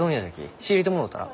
仕入れてもろうたら？